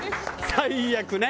最悪ね。